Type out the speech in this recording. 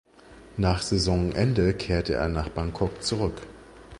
Nach Saisonende kehrte er nach Bangkok zurück.